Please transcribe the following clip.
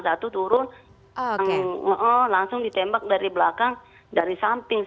satu turun langsung ditembak dari belakang dari samping